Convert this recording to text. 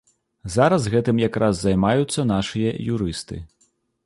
Зараз гэтым якраз займаюцца нашыя юрысты.